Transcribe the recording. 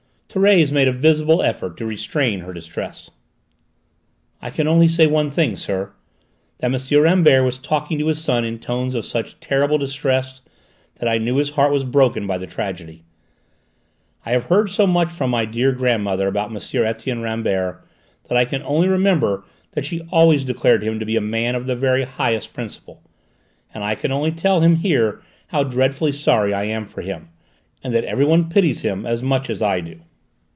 Thérèse made a visible effort to restrain her distress. "I can only say one thing, sir: that M. Rambert was talking to his son in tones of such terrible distress that I knew his heart was broken by the tragedy. I have heard so much from my dear grandmother about M. Etienne Rambert that I can only remember that she always declared him to be a man of the very highest principle, and I can only tell him here how dreadfully sorry I am for him, and that everybody pities him as much as I do."